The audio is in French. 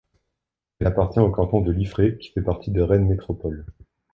Elle appartient au canton de Liffré et fait partie de Rennes Métropole.